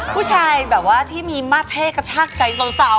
ผู้ชายแบบว่าที่ไม่เข้ากับชากใจโซน